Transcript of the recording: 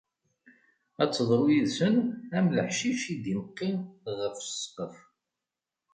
Ad teḍru yid-sen am leḥcic i d-imeqqin ɣef ssqef.